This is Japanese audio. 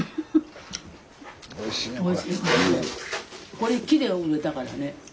これ木で植えたからね。